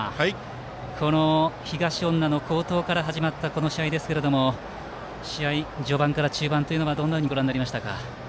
この東恩納の好投から始まったこの試合ですけれども試合、序盤から中盤というのはどんなふうにご覧になりましたか。